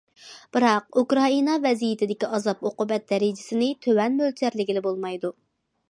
بىراق ئۇكرائىنا ۋەزىيىتىدىكى ئازاب ئوقۇبەت دەرىجىسىنى تۆۋەن مۆلچەرلىگىلى بولمايدۇ.